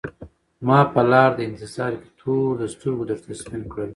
ما په لار د انتظار کي تور د سترګو درته سپین کړل